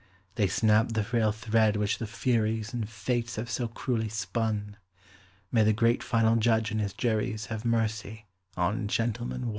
They snap the frail thread which the Furies And Fates have so cruelly spun. May the great Final Judge and His juries Have mercy on "Gentleman, One"!